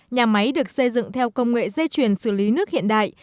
nhà máy được xây dựng theo công nghệ dây chuyền xử lý nước hiện đại